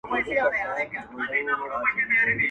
خبر اوسه چي دي نور ازارومه.